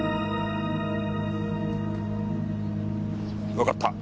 わかった！